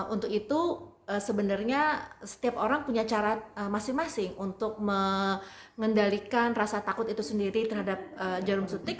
untuk itu sebenarnya setiap orang punya cara masing masing untuk mengendalikan rasa takut itu sendiri terhadap jarum suntik